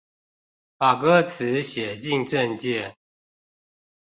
把歌詞寫進政見